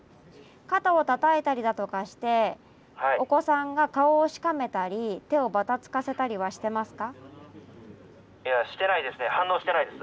肩をたたいたりだとかしてお子さんが顔をしかめたり手をばたつかせたりはしてますか？